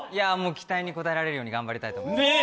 期待に応えられるように頑張りたいと思います。